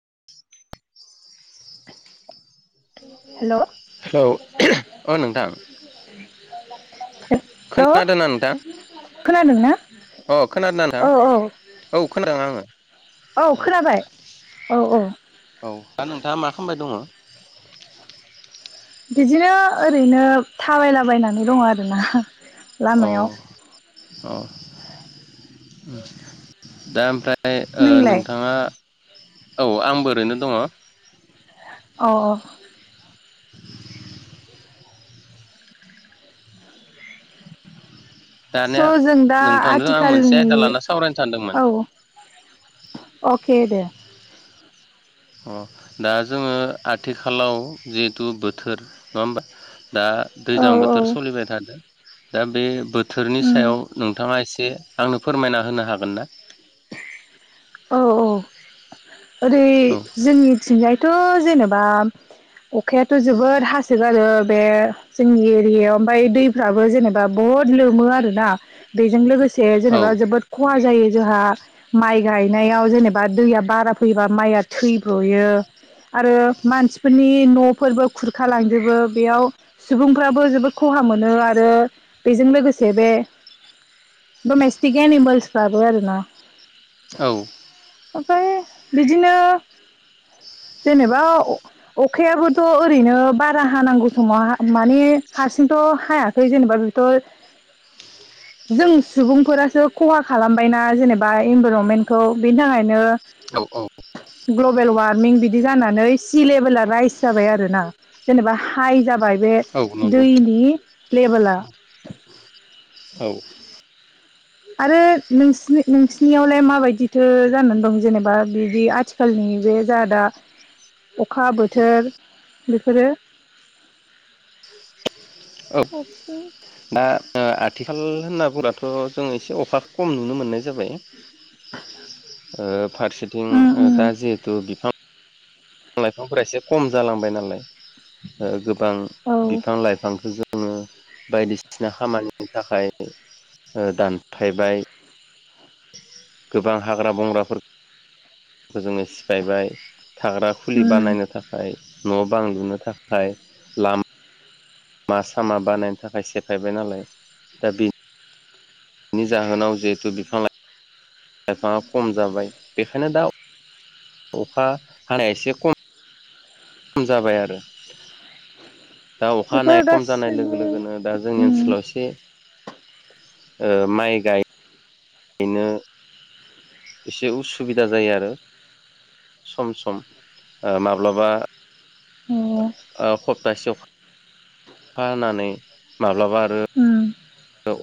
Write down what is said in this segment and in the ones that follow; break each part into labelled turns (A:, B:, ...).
A: [inaudible]
B: हेल'
A: hello ओ नोंथां
B: [inaudible]
A: खोनादों दा नोंथां?
B: खोनादों ना?
A: अ खोनादों दा नोंथां औ खोनादों आङो। औ
B: औ औ
A: औ दा नोंथाङा मा खालामबाय दङ
B: बिदिनो ओरैनो थाबायलाबायनानै दङ आरोना। लामायाव।
A: औ दा ओमफ्राय ओ
B: नोंलाय
A: नोंथाङा औ आंबो ओरैनो दङ।
B: अह
A: [inaudible]
B: स'
A: दानिया
B: जों दा
A: नोंथांजों आं मोनसे आयदा
B: आथिखालनि
A: लाना सावरायनो सानदोंमोन
B: औ अखे दे
A: अ दा जोङो आथिखालाव जिहेथु बोथोर नङा होमबा। दा
B: औ
A: दैज्लां
B: औ
A: बोथोर सोलिबाय थादों दा बे बोथोरनि
B: उम
A: सायाव नोंथाङा एसे आंनो फोरमायना होनो हागोन ना?
B: औ औ ओरै
A: औ
B: जोंनिथिंजायथ' जेनेबा अखायाथ' जोबोद हासोगारो। बे जोंनि एरियायाव ओमफाय दैफ्राबो जेनेबा बहुद लोमो आरोना बेजों लोगोसे
A: औ
B: जेनेबा जबो खहा जायो जोंहा माइ गायनायाव जेनेबा दैया बारा फैयोबा माइया थैब्र'यो। आरो मानसिफोरनि न' फोरबो खुरखा लांजोबो बेयाव सुबुंफ्राबो जोबोद खहा मोनो आरो बेजों लोगोसे से बे
A: [inaudible]
B: द'मेसटिक एनिमेलसफ्राबो आरो ना।
A: औ
B: ओमफ्राय बिदिनो
A: [inaudible]
B: जेनेबा अखायाबोथ' ओरैनो बारा हानांगौ समाव मानि हारसिंथ' हायाखै जेनेबा बेथ'
A: [inaudible]
B: जों सुबुंफोरासो खहा खालामबायना जेनेबा इनभाइर'नमेन्टखौ बेनि थाखायनो
A: औ औ
B: ग्लबेल वारमिं बिदि जानानै सि लेभेला राइस जाबाय आरोना जेनेबा हाइ जाबाय। बे
A: औ नंगौ
B: दैनि लेबेला
A: औ
B: आरो नोंसिनि नोंसि नियावलाय माबायदिथो जानानै दं जेनेबा बिदि आथिखालनि बे जोंहा दा अखा बोथोर बेफोरो
A: औ
B: खाथि
A: दा ओ आथि खाल होनना बागथ' जों एसे अखा खम नुनो मोननाय जाबाय। ओ फारसेथिं
B: उम
A: दा
B: उम
A: जिहेथु बिफां बिफां लाइफांफोरा एसे खम जालांबाय नालाय। गोबां
B: औ
A: बिफां लाइफांखौ जोङो बायदिसिना खामानिनि थाखाय ओ दानफायबाय। गोबां हाग्रा बंग्राफोरखौ जोङो सिफायबाय। थाग्रा खुलि
B: उम
A: बानायनो थाखाय न' बां लुनो थाखाय लामा मा सामा बानायनो थाखाय सेफायबाय नालाय दा बे नि जाहोनाव जिहेथु लाइफाङा खम जाबाय बेखायनो दा अखा हानाया एसे खम जाबाय आरो। दा अखा हानाय
B: बेफोर
A: खम जानाय
B: गासिबो
A: लोगो लोगोनो दा जोंनि
B: उम
A: ओनसोलाव एसे ओ माइ गाय नो एसे उसुबिदा जायो आरो। सम सम ओ माब्लाबा
B: अ
A: ओ हप्तासेयाव अखा हानानै माब्लाबा आरो
B: उम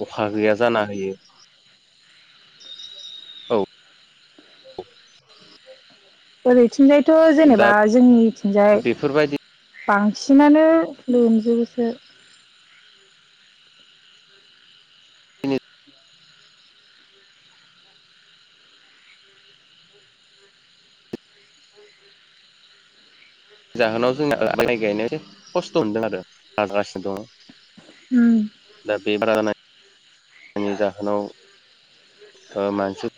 A: अखा गैया जाना होयो। औ
B: ओरैथिंजायथ'
A: दा
B: जेनेबा जोंनिथिंजाय
A: बेफोरबायदिनि
B: बांसिनानो लोमजोबोसो।
A: जाहोनाव जोंना आ माय गायनो एसे खस्थ' मोनदों आरो आद्रासो दङ।
B: उम
A: दा बे जायनि जाहोनाव ओ मानसि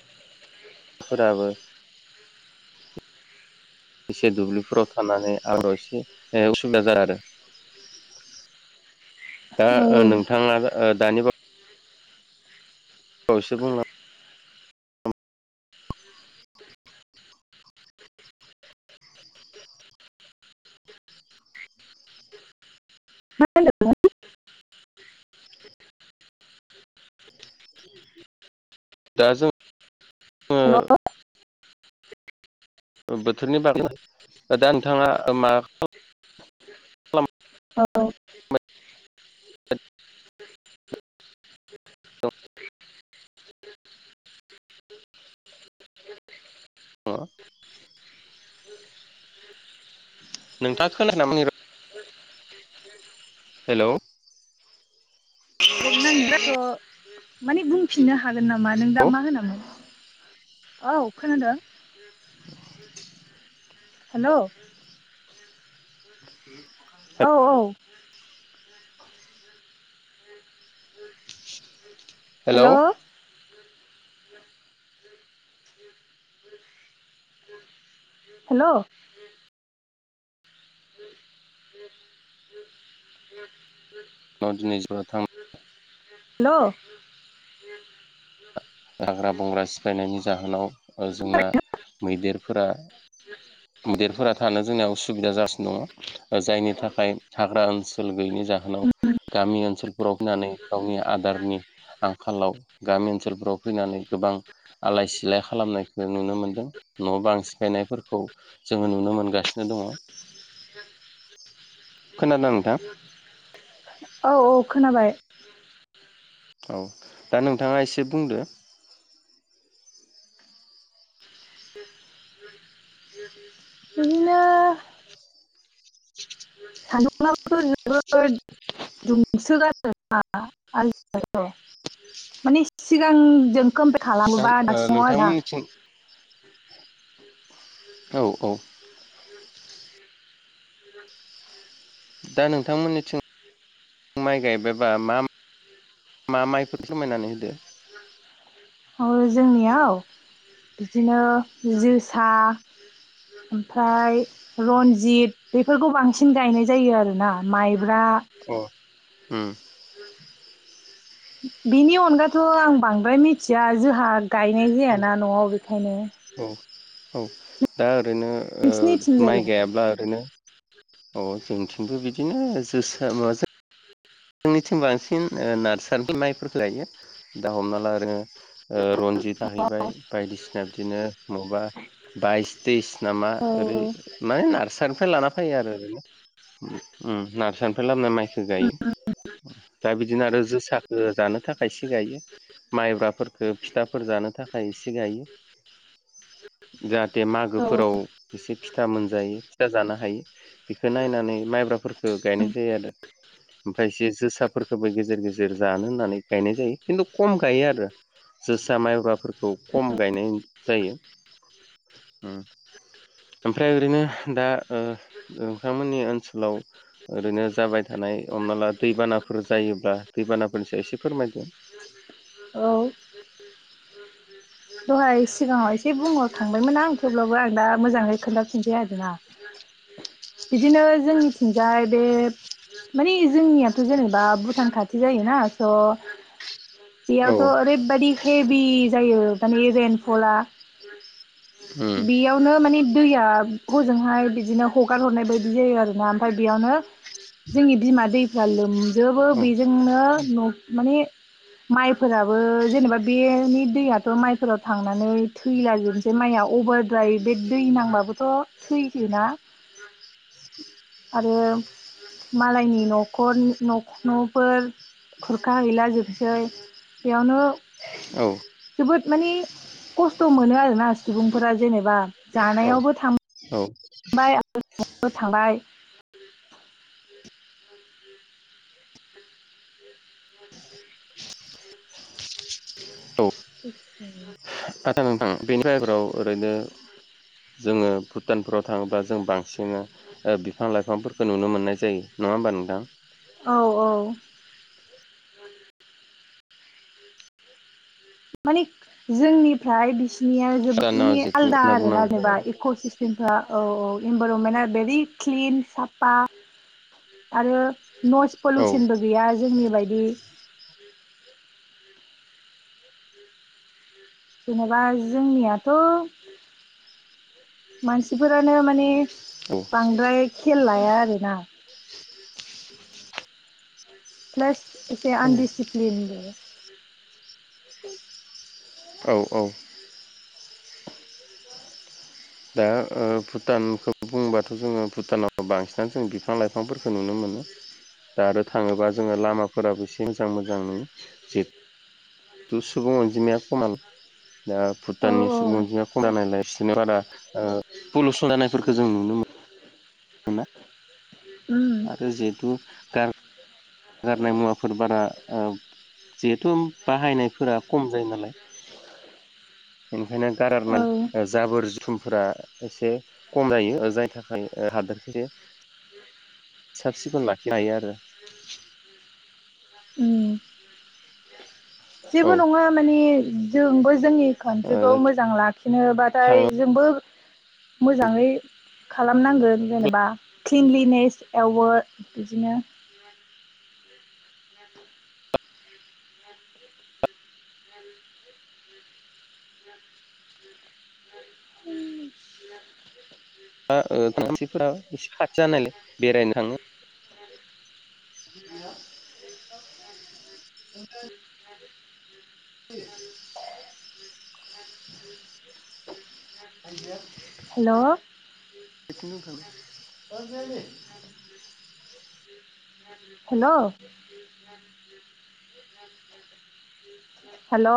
A: फोराबो एसे दुब्लिफोराव थानानै आरो एसे उसुबिदा जादों आरो। दा
B: औ
A: ओ नोंथाङा दानि बा वयैसो बुंलां
B: हेलौ
A: दा जों
B: हेलौ
A: जोङो बोथोरनि बागै दा नोंथाङा मा
B: औ
A: अ नोंथाङा खोनायाखै नामा आंनि राव हेलौ
B: अक नांनो स मानि बुंफिननो हागोन नामा नों दा मा होनामोन। औ खोनादों हेलौ औ औ हेलौ
A: [inaudible]
B: हेलौ [inaudible]
A: औ दिनै जिबाथाम
B: हेलौ
A: हाग्रा बंग्रा सिफायनायनि जाहोनाव ओ जोंना मैदेरफोरा मैदेरफोरा थानो जोंनियाव असुबिदा जागासिनो दङ जायनि थाखाय हाग्रा ओनसोल गैयिनि जाहोनाव गामि ओनसोलफोराव फैनानै गावनि आदारनि आंखालाव गामि ओनसोलफ्राव फैनानै गोबां आलाय सिलाय खालामनायखौ नुनो मोन्दों न बां सिफायनायफोरखौ जोङो नुनो मोनगासिनो दङ। खोनादों नोंथां
B: औ औ खोनाबाय।
A: औ दा नोंथाङा एसे बुंदो
B: बिदिनो सान्दुंआबोथ' जोबोद दुंसोगारो आजिखालिथ' मानि सिगां जोंखोम
A: दा
B: खालामोबा
A: ओ
B: दासिमाव आरो ना
A: नोंथांमोननिथिं औ औ। दा नोंथांमोननिथिं माइ गायबायबा मा मा माइफोर फोरमायनानै होदो।
B: औ जोंनियाव बिदिनो जोसा ओमफ्राय रनजित बेफोरखौ बांसिन गायनाय जायो आरो ना। माइ
A: अ उम।
B: बिनि अनगाथ' आं बांद्राय मिथिया जोहा गायनाय जाया ना न'आव बेखायनो।
A: औ औ दा ओरैनो ओ माइ
B: नोंसिनिथिंजायलाय?
A: गायाब्ला ओरैनो अ जोंथिंबो बिदिनो जोसा [unintelligible] जोंनिथिं बांसिन ओ [unintelligible] माइफोरखौ [unintelligible] दा हमना ला ओरैनो ओ रनजित जाहैबाय बायदिसिना बिदिनो मबा बाइस तेइस नामा
B: औ
A: ओरै माने नार्सारिनिफ्राय लाना फैयो आरो ओरैनो उम नार्सारनिफ्राय लाबोना माइखो गायो। उम दा बि दिनो आरो जोसाखो जानो थाखाय इसे गायो। माइब्राफोरखो फिथाफोर जानो थाखाय इसे गायो। जा थे
B: औ
A: मागोफोराव एसे फिथा मोनजायो फिथा जानो हायो। बेखो नायनानै माइब्राफोरखो गायनाय जायो आरो ओमफ्राय एसे जोसाफोरखोबो गेजेर गेजेर जानो होननानै गायनाय जायो। किन्थु खम गायो आरो जोसा माइब्राफोरखौ खम गायनाय जायो उम। ओमफ्राय ओरैनो दा ओ नोंथांमोननि ओनसोलाव ओरैनो जाबाय थानाय हमना ला दैबानाफोर जायोब्ला दैबानाफोरनि सायाव एसे फोरमायदो। [inaudible]
B: औ। दहाय सिगाङाव एसे बुंहर खांबायमोन आं थेवब्लाबो आरो दा मोजाङै खोन्थाफिनसै आरो ना। बिदिनो जोंनिथिंजाय बे मानि जोंनियाथ' जेनेबा भुटान खाथि जायो ना स' बेयावथ'
A: उम
B: ओरैबायदि हेबि जायो माने रेइनफला
A: [unintelligible]
B: बेयावनो माने दैया गजोंहाय बिदिनो हगार हरनाय बायदि जायो आरो ना ओमफ्राय बेयावनो जोंनि बिमा दैफ्रा लोमजोबो
A: औ
B: बेजोंनो न' माने माइफोराबो जेनेबा बेनि दैया थ' माइफोराव थांनानै थैलाजोबनोसै माइया अभारद्राय बे दै नांबाबोथ' थैजो बोना आरो मालायनि न'खर नख-न'फोर खुरखा हैैला जोबसै। बेयावनो
A: औ।
B: जोबोद मानि खस्थ' मोनो आरो ना सुबुंफोरा जेनेबा
A: औ
B: जानायावबो थां बाय [unintelligible] थांबाय। [inaudible]
A: आतसा नोंथां बेनि [unintelligible] ओरैनो जोङो भु टानफोराव थाङोब्ला जों बांसिनो ओ बिफां लाइफांफोरखो नुनो मोननाय जायो। नङा होमबा नोंथां?
B: औ औ। माने जोंनिफ्राय बिस बिनिया जोबोद
A: भुटानाव
B: माने
A: जिथु
B: आलदा
A: होनना
B: आरो ना
A: बुंनांगौ
B: जेनबा
A: जोङो
B: इक' सिस्टेमफ्रा औ औ इनभाइरनमेन्टआ भेरि क्लिन साफा आरो नयस
A: औ
B: पलिउसनबो गैया जोंनि बायदि जेनेबा जोंनियाथ' मानसिफोरानो माने
A: औ
B: बांद्राय खेल लाया आरोना। प्लास एसे
A: औ
B: आनडिसिप्लिन नुयो।
A: औ औ। दा ओ भुटानखौ बुंबाथ' जोङो भुटानाव बांसिनानो जों बिफां लाइफांफोरखौ नुनो मोनो दा आरो थाङोबा जों जोङो लामाफोराबो एसे मोजां मोजां नुयो जे सुबुं अनजिमाया खमानो दा
B: औ
A: भुटाननि सुबुं अनजिमाया खम जानायलाय बिसिनियाव बारा ओ पलुसन जानायफोरखो जों नुनो मोना।
B: उम
A: आरो जिहेथु गार-गारनाय मुवाफोर बारा ओ जिहेथु बाहायनायफोरा खम जायो नालाय। बेनिखायनो
B: औ
A: गारारनाय ओ जाबोर जुथुमफोरा एसे खम जायो जाय थाखाय ओ हादोरखो साब सिखन लाखिनो हायो आरो।
B: उम
A: औ
B: जेबो नङा माने जोंबो जोंनि
A: ओ
B: कान्ट्रिखौ मोजां लाखिनोबाथाय
A: थाङो
B: जोंबो मोजाङै खालामनांगोन जेनेबा क्लिनलिनेस एवो बिदिनो
A: ज [inaudible]
B: [unintelligible]
A: हा ओ मानसिफ्रा एसे खाथि जानायलाय बेरायनो थाङो।
B: [inaudible]
A: [inaudible] [unintelligible]
B: हेलौ।
A: [unintelligible]
B: हेलौ। हेलौ।